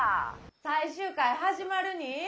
最終回始まるにぃ！